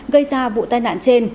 gây ra vụ tai nạn trên